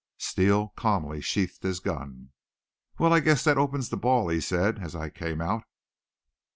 Steele calmly sheathed his gun. "Well, I guess that opens the ball," he said as I came out.